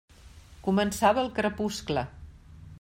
Començava el crepuscle.